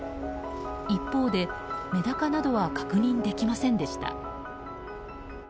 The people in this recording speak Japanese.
一方でメダカなどは確認できませんでした。